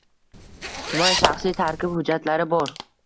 Tuman shaxsiy tarkib hujjatlari bor.